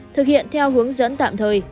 thực hiện theo hướng dẫn tạm thời